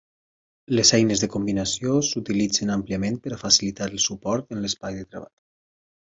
Les eines de combinació s'utilitzen àmpliament per a facilitar el suport en l'espai de treball.